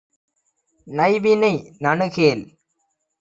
நைவினை நணுகேல்.